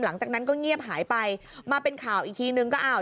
หลังจากนั้นก็เงียบหายไปมาเป็นข่าวอีกทีนึงก็อ้าว